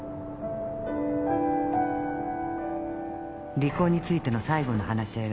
離婚についての最後の話し合いがしたい。